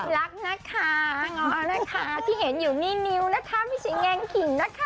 รักนะคะที่เห็นอยู่นี่นิวนะคะไม่ใช่แงงขิงนะคะ